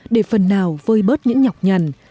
để phần nào vơi bớt những nhọc nhằn